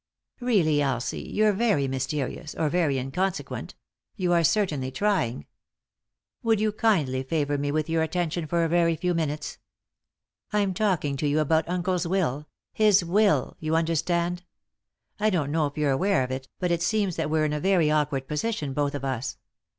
"Really, Elsie, you're very mysterious, or very inconsequent — you are certainly trying. Would you kindly favour me with your attention for a very few minutes ? I'm talking to you about uncle's will — his 148 ;«y?e.c.V GOOglC THE INTERRUPTED KISS will, yon understand. I don't know if you're aware of it, but it seems that we're in a very awkward position, both of us.